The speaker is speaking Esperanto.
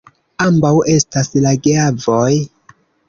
Ambaŭ estas la geavoj.